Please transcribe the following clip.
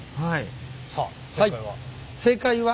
さあ正解は？